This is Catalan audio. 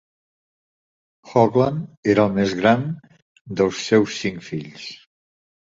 Hoagland era el més gran dels seus cinc fills.